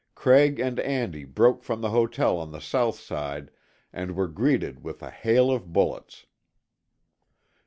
Craig and Andy broke from the hotel on the south side and were greeted with a hail of bullets.